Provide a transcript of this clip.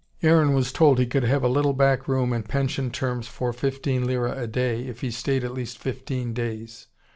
Aaron was told he could have a little back room and pension terms for fifteen lire a day, if he stayed at least fifteen days.